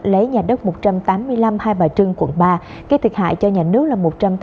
lấy nhà đất một trăm tám mươi năm hai bà trưng quận ba gây thiệt hại cho nhà nước là một trăm tám mươi